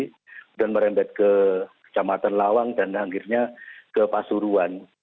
kemudian merembet ke kecamatan lawang dan akhirnya ke pasuruan